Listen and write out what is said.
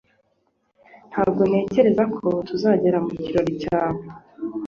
Ntabwo ntekereza ko tuzagera mu kirori cyawe